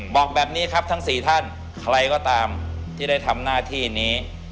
บอกแบบนี้ครับทั้ง๔ท่านใครก็ตามที่ได้ทำหน้าที่นี้